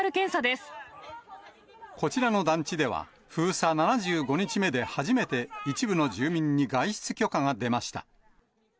こちらの団地では、封鎖７５日目で初めて、一部の住民に外出許可が出ました。